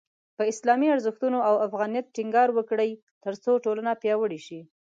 په اسلامي ارزښتونو او افغانیت ټینګار وکړئ، ترڅو ټولنه پیاوړې شي.